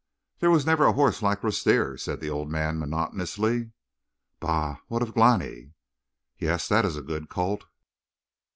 "There was never a horse like Rustir," said the old man monotonously. "Bah! What of Glani?" "Yes, that is a good colt."